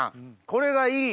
これがいい！